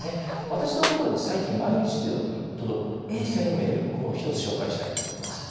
私のところに最近毎日のように届く偽のメール１つ紹介したいと思います。